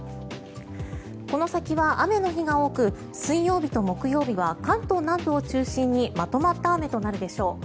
この先は雨の日が多く水曜日と木曜日は関東南部を中心にまとまった雨となるでしょう。